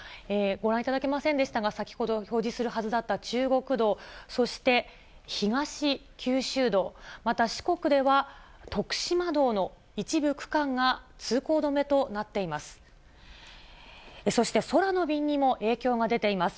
ご覧いただけませんでしたが、先ほど表示されるはずだった中国道、そして東九州道、また四国では、徳島道の一部区間が通行止めとなっています。